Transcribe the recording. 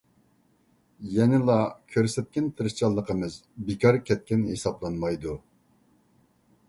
يەنىلا كۆرسەتكەن تىرىشچانلىقىمىز بىكار كەتكەن ھېسابلانمايدۇ.